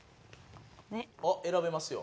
あっ選べますよ。